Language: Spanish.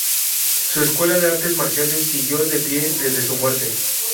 Su escuela de artes marciales siguió de pie desde su muerte.